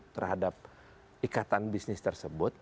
terhadap ikatan bisnis tersebut